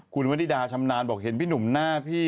คุณวนิดาชำนาญบอกเห็นพี่หนุ่มหน้าพี่